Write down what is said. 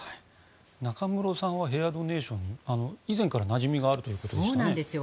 中室さんはヘアドネーションに以前からなじみがあるということでしたね。